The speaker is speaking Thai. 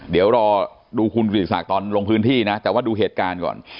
เดี๋ยวรอดูคุณกิติศักดิ์ตอนลงพื้นที่นะแต่ว่าดูเหตุการณ์ก่อน